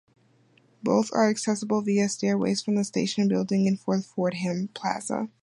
Both are accessible via stairways from the station building and from Fordham Plaza.